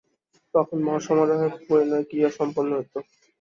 তখন মহাসমারোহে পরিণয়ক্রিয়া সম্পন্ন হইত।